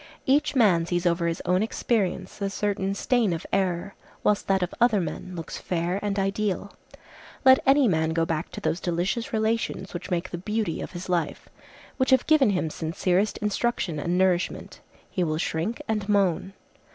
Each man sees over his own experience a certain stain of error, whilst that of other men looks fair and ideal. Let any man go back to those delicious relations which make the beauty of his life, which have given him sincerest instruction and nourishment, he will shrink and moan.